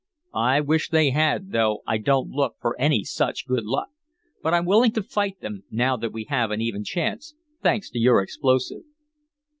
"I wish they had, though I don't look for any such good luck. But I'm willing to fight them, now that we have an even chance, thanks to your explosive."